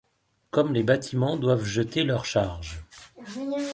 Comme les bâtiments doivent jeter leur charge